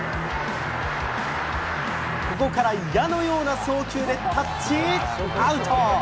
ここから矢のような送球でタッチアウト！